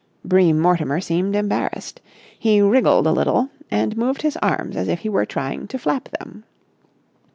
Bream Mortimer seemed embarrassed. He wriggled a little, and moved his arms as if he were trying to flap them.